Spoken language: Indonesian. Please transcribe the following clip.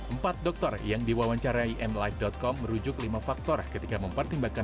empat dokter yang diwawancarai nlight com merujuk lima faktor ketika mempertimbangkan